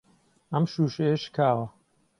ئەم شووشەیە شکاوە.